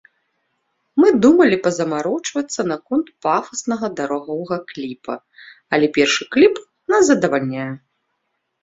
Мы думалі пазамарочвацца наконт пафаснага дарагога кліпа, але першы кліп нас задавальняе.